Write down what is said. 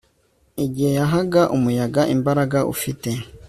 igihe yahaga umuyaga imbaraga ufite